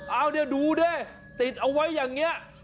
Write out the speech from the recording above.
เอาเนี่ยดูดิติดเอาไว้อย่างนี้